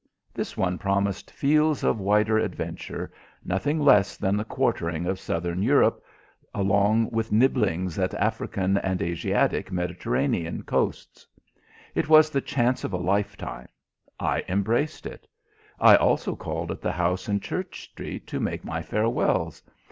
This one promised fields of wider adventure nothing less than the quartering of southern Europe, along with nibblings at African and Asiatic Mediterranean coasts. It was the chance of a life time. I embraced it. I also called at the house in Church Street to make my farewells.